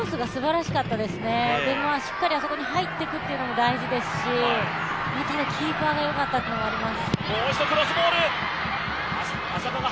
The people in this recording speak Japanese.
しっかりあそこに入っていくというのも大事ですし、キーパーが良かったというのがあります。